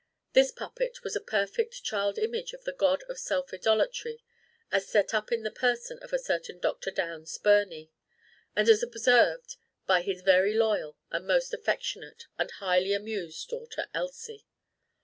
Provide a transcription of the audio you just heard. This puppet was a perfect child image of the god of self idolatry, as set up in the person of a certain Dr. Downs Birney, and as observed by his very loyal and most affectionate and highly amused daughter Elsie.